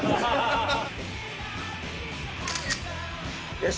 よし。